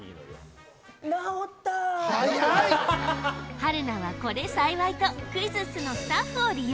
春菜はこれ幸いと、クイズッスのスタッフを利用。